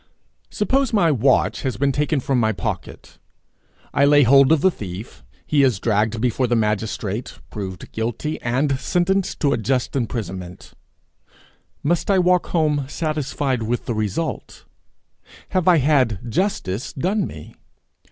Suppose my watch has been taken from my pocket; I lay hold of the thief; he is dragged before the magistrate, proved guilty, and sentenced to a just imprisonment: must I walk home satisfied with the result? Have I had justice done me?